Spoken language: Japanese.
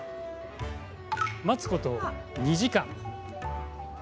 待つこと２時間。